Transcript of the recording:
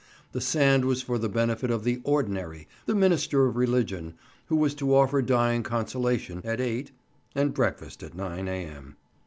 The sand was for the benefit of the "ordinary," the minister of religion, who was to offer dying consolation at 8 and breakfast at 9 A.M.